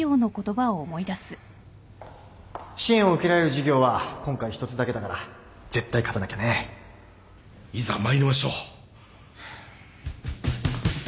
支援を受けられる事業は今回１つだけだから絶対勝たなきゃねいざ参りましょう。